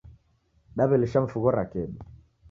D'aw'elisha mifugho ra kedu